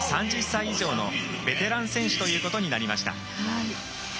３０歳以上のベテラン選手となりました。